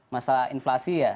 masalah inflasi ya